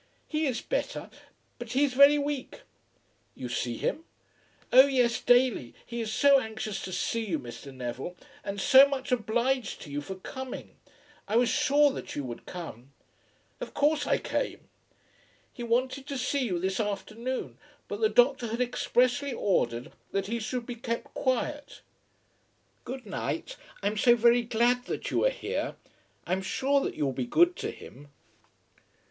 "He is better; but he is very weak." "You see him?" "Oh yes, daily. He is so anxious to see you, Mr. Neville, and so much obliged to you for coming. I was sure that you would come." "Of course I came." "He wanted to see you this afternoon; but the doctor had expressly ordered that he should be kept quiet. Good night. I am so very glad that you are here. I am sure that you will be good to him."